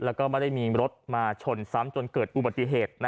แล้วก็ไม่ได้มีรถมาชนซ้ำจนเกิดอุบัติเหตุ